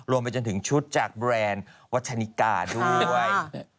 ไปจนถึงชุดจากแบรนด์วัชนิกาด้วย